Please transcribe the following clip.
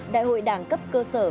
đại hội đảng cấp cơ sở